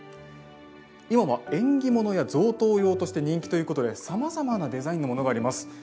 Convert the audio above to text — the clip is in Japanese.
今も、縁起物や贈答用として人気ということでさまざまなデザインのものがあります。